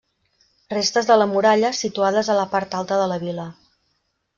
Restes de la muralla situades a la part alta de la vila.